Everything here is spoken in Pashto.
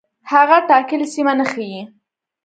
هغه ټاکلې سیمه نه ښيي.